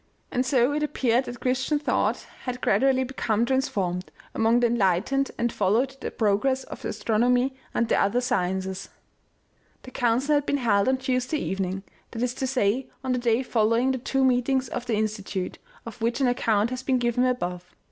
And so it appeared that Christian thought had gradually become transformed, among the enlightened, and followed the progress of astronomy and the other sciences. The council had been held on Tuesday evening, that is to say on the day following the two meetings of the Insti tute, of which an account has been given above.